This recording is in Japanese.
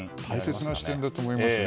大切な視点だと思いますね。